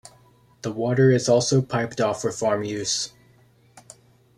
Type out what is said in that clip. The water is also piped off for farm use.